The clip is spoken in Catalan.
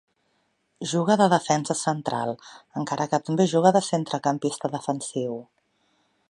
Juga de defensa central, encara que també juga de centrecampista defensiu.